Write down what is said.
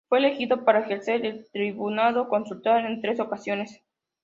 Fue elegido para ejercer el tribunado consular en tres ocasiones.